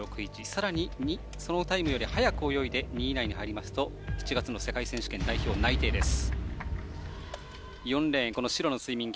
さらに、そのタイムより速く泳ぎ２位以内に入りますと７月の世界選手権、代表内定です。